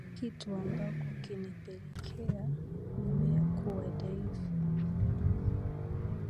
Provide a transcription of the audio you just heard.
kitu ambacho kinapelekea mimea kuwa dhaifu.